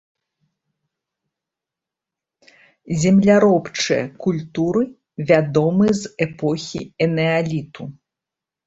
Земляробчыя культуры вядомы з эпохі энеаліту.